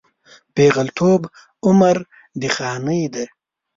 پېغلتوب عمر د خانۍ دی